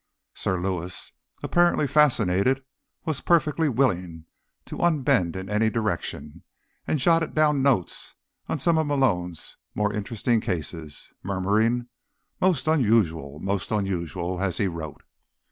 Sir Lewis, apparently fascinated, was perfectly willing to unbend in any direction, and jotted down notes on some of Malone's more interesting cases, murmuring: "Most unusual, most unusual," as he wrote.